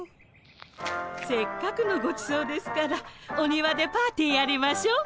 せっかくのごちそうですからお庭でパーティーやりましょう。